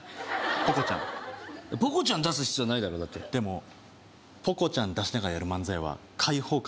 ポコちゃんポコちゃん出す必要ないだろだってでもポコちゃん出しながらやる漫才は開放感